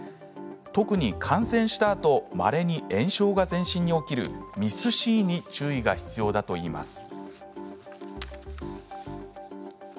特に感染したあとまれに炎症が全身に起きるＭＩＳ−Ｃに注意が必要だといいます。